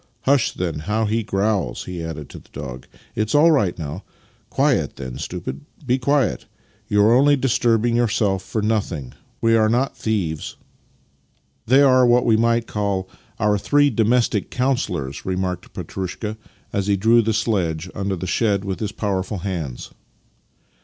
" Hush, then, how he growls! " he added to the dog. "It is all right now. Quiet, then, stupid! Be quiet! You are only disturbing yourself for nothing. We are not thieves." 24 Master and Man " They are what we might call our three domestic councillors," remarked Petrushka as he drew the sledge under the shed with his powerful hands.